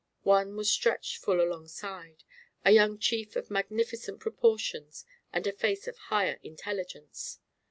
One was stretched full alongside a young chief of magnificent proportions and a face of higher intelligence.